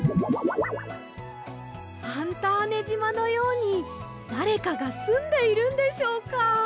ファンターネじまのようにだれかがすんでいるんでしょうか！